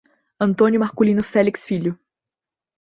Antônio Marculino Felix Filho